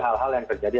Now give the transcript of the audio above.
hal hal yang terjadi